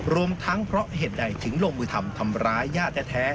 รวมทั้งเพราะเหตุใดถึงลงมือทำทำร้ายญาติแท้